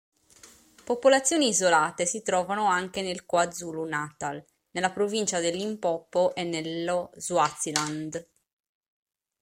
Popolazioni isolate si trovano anche nel KwaZulu-Natal, nella Provincia del Limpopo, e nello Swaziland.